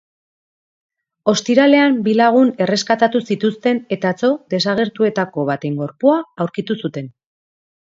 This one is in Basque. Ostiralean bi lagun erreskatatu zituzten eta atzo desagertuetako baten gorpua aurkitu zuten.